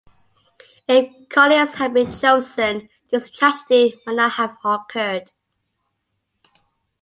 If Colliers had been chosen, this tragedy might not have occurred.